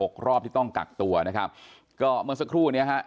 รอบที่ต้องกักตัวนะครับก็เมื่อสักครู่เนี้ยฮะ